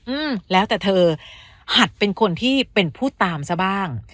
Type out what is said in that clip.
อืมแล้วแต่เธอหัดเป็นคนที่เป็นผู้ตามซะบ้าง